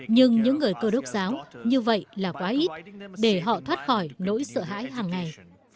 nhưng những người cơ đốc giáo như vậy là quá ít để họ thoát khỏi nỗi sợ hãi hàng ngày